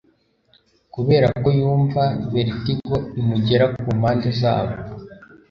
kuberako yumva vertigo imugera kumpande zabo